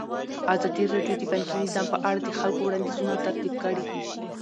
ازادي راډیو د بانکي نظام په اړه د خلکو وړاندیزونه ترتیب کړي.